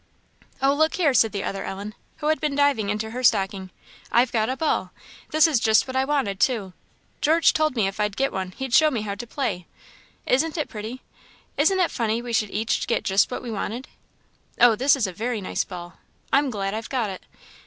"Oh, look here," said the other Ellen, who had been diving into her stocking "I've got a ball this is just what I wanted, too; George told me if I'd get one he'd show me how to play. Isn't it pretty? Isn't it funny we should each get just what we wanted? Oh, this is a very nice ball. I'm glad I've got it.